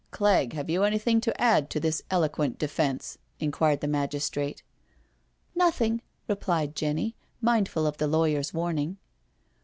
Clegg, have you anything to add to this eloquent defence?" inquired the magistrate. " Nothing/' replied Jenny, mindful of the lawyer's warning.